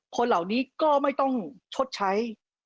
คนเหล่านี้ก็ไม่ต้องชดใช้